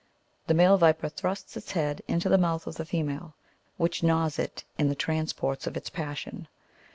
The male viper thrusts ^'^ its head into the mouth of the female, which gnaws it in the transports of its passion.